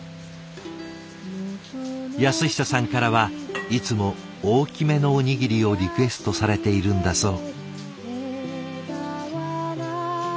安久さんからはいつも大きめのおにぎりをリクエストされているんだそう。